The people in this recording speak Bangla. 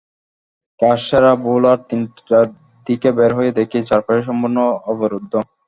কাজ সেরে বেলা তিনটার দিকে বের হয়ে দেখি, চারপাশ সম্পূর্ণ অবরুদ্ধ।